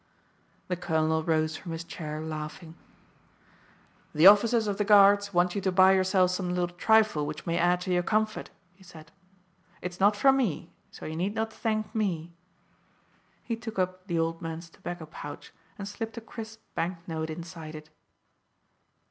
The colonel rose from his chair laughing. "The officers of the Guards want you to buy yourself some little trifle which may add to your comfort," he said. "It is not from me, so you need not thank me." He took up the old man's tobacco pouch and slipped a crisp banknote inside it.